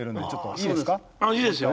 いいですよ。